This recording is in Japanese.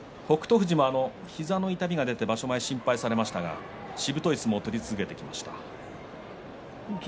富士も膝の痛みが出て場所前、心配されましたがしぶとい相撲が出ています。